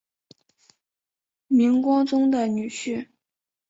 明光宗的女婿。